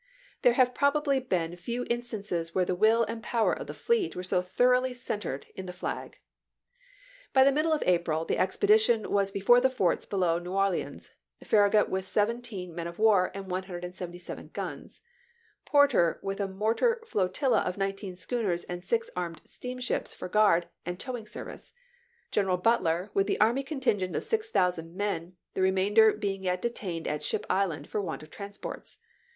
There farragut's victory 259 have probably been few instances where the will and the power of the fleet were so thoroughly centered in the flag. By the middle of April the expedition was before the forts below New Orleans, Farragut with seven teen men of war and 177 guns ; Porter with a mor tar flotilla of nineteen schooners and six armed steamships for guard and towing service ; General Butler with the army contingent of six thousand men, the remainder being yet detained at Ship Island for want of transports.